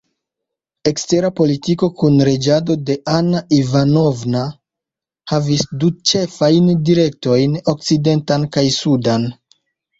Ekstera politiko dum reĝado de Anna Ivanovna havis du ĉefajn direktojn: okcidentan kaj sudan.